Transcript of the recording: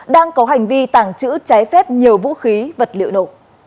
đang có hành vi tàng trữ trái phép nhiều vũ khí vật liệu nổ